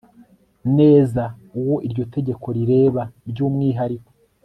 neza uwo iryo tegeko rireba by'umwihariko